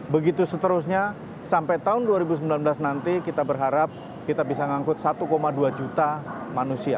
begitu seterusnya sampai tahun dua ribu sembilan belas nanti kita berharap kita bisa ngangkut satu dua juta manusia